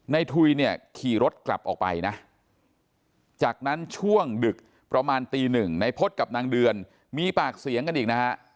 ถุยเนี่ยขี่รถกลับออกไปนะจากนั้นช่วงดึกประมาณตีหนึ่งในพฤษกับนางเดือนมีปากเสียงกันอีกนะฮะ